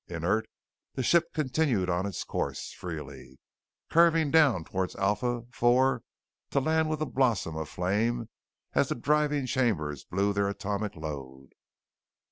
Inert, the ship continued on its course freely, curving down towards Alpha IV to land with a blossom of flame as the driving chambers blew their atomic load.